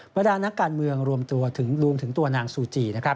ประดานนักการเมืองรวมตัวลวงถึงตัวนางสู่จี